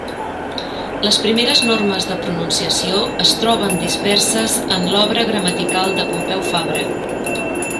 Les primeres normes de pronunciació es troben disperses en l'obra gramatical de Pompeu Fabra.